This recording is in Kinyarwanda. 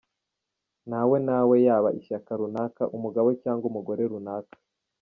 Ntawe ! Ntawe ! Yaba ishyaka runaka, umugabo cyangwa umugore runaka.